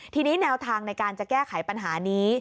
ทีนี้แนวทางในการจะแก้ไขปัญหานี้